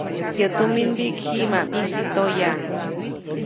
Yäʼ tuminmbiʼk jiʼ ma ʼmisi toya.